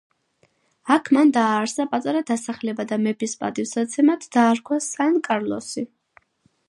აქ მან დააარსა პატარა დასახლება და მეფის პატივსაცემად დაარქვა სან-კარლოსი.